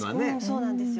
そうなんですよ。